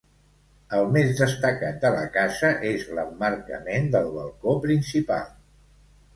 El més destacat de la casa és l'emmarcament del balcó principal.